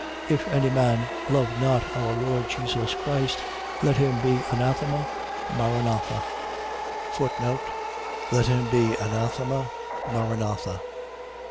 16:22. If any man love not our Lord Jesus Christ, let him be anathema, maranatha. Let him be anathema, maranatha.